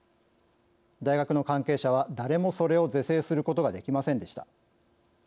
大学の関係者は誰もそれを是正することができませんでした。